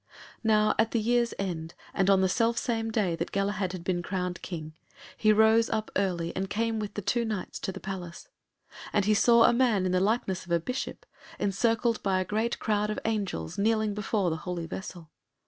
Now at the year's end, and on the selfsame day that Galahad had been crowned King, he arose up early and came with the two Knights to the Palace; and he saw a man in the likeness of a Bishop, encircled by a great crowd of angels, kneeling before the Holy Vessel.